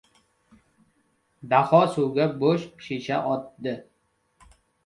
Daho suvga bo‘sh shisha otdi.